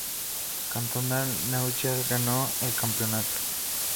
Cantonal Neuchâtel ganó el campeonato.